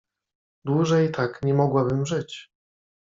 "Dłużej tak nie mogłabym żyć."